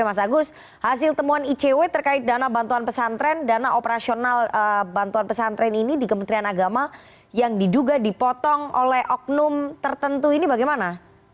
mas agus hasil temuan icw terkait dana bantuan pesantren dana operasional bantuan pesantren ini di kementerian agama yang diduga dipotong oleh oknum tertentu ini bagaimana